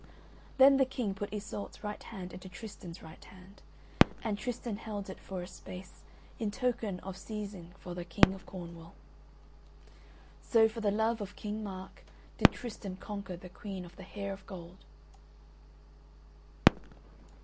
Then the King put Iseult's right hand into Tristan's right hand, and Tristan held it for a space in token of seizin for the King of Cornwall. So, for the love of King Mark, did Tristan conquer the Queen of the Hair of Gold.